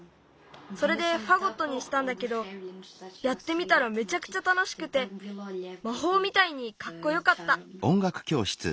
それでファゴットにしたんだけどやってみたらめちゃくちゃたのしくてまほうみたいにかっこよかった。